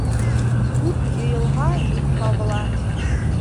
Күп йыйылһа юҡ табыла.